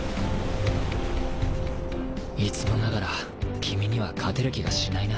い弔發覆君には勝てる気がしないな。